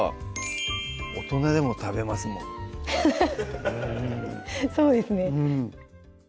大人でも食べますもんそうですね